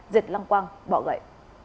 diệt lăng quang bỏ gậy